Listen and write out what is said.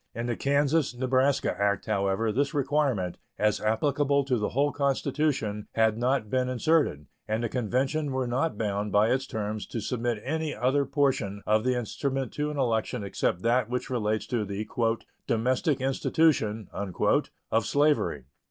In the Kansas Nebraska act, however, this requirement, as applicable to the whole constitution, had not been inserted, and the convention were not bound by its terms to submit any other portion of the instrument to an election except that which relates to the "domestic institution" of slavery.